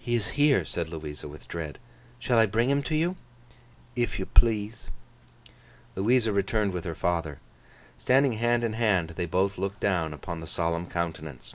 'He is here,' said Louisa, with dread. 'Shall I bring him to you?' 'If yo please.' Louisa returned with her father. Standing hand in hand, they both looked down upon the solemn countenance.